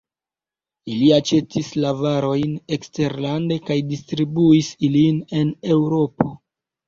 Ili aĉetis la varojn eksterlande kaj distribuis ilin en Eŭropo.